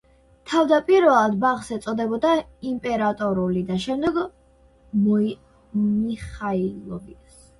თავდაპირველად ბაღს ეწოდებოდა „იმპერატორული“ და შემდგომ „მიხაილოვის“.